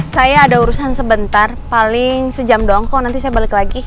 saya ada urusan sebentar paling sejam doang kok nanti saya balik lagi